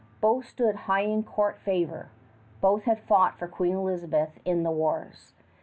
Both stood high in court favor. Both had fought for Queen Elizabeth in the wars.